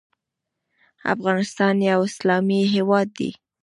افغانستان یو اسلامی هیواد دی .